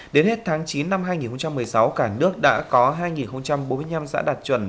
đến hết tháng chín năm hai nghìn một mươi sáu cả nước đã có hai bốn mươi năm xã đạt chuẩn